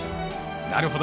なるほど。